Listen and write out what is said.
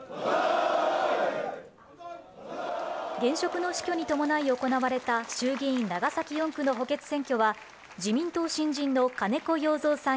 現職の死去に伴い行われた衆議院長崎４区の補欠選挙は自民党新人の金子容三さん